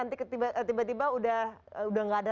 tiba tiba sudah nggak ada